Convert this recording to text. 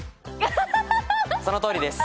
そのとおりです。